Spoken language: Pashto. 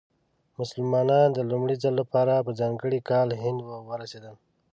مسلمانان د لومړي ځل لپاره په ځانګړي کال هند ورسېدل.